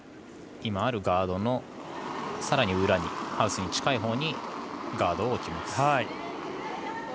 今あるガードのさらに裏にハウスに近いほうにガードを置きます。